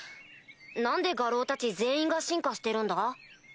何で牙狼たち全員が進化してるんだ？